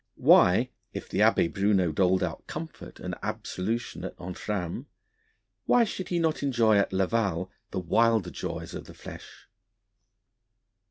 Why, if the Abbé Bruneau doled out comfort and absolution at Entrammes why should he not enjoy at Laval the wilder joys of the flesh?